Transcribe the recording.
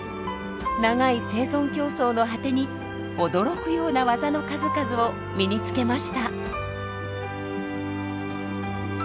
長い生存競争の果てに驚くようなワザの数々を身につけました。